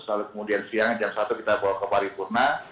lalu kemudian siang jam satu kita bawa ke paripurna